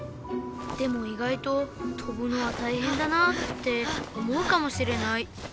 でもいがいととぶのはたいへんだなって思うかもしれない。